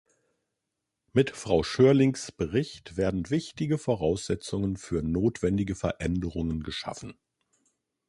Mit Frau Schörlings Bericht werden wichtige Voraussetzungen für notwendige Veränderungen geschaffen.